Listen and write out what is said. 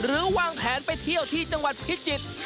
วางแผนไปเที่ยวที่จังหวัดพิจิตร